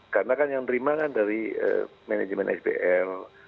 karena kan yang terima kan dari manajemen sbl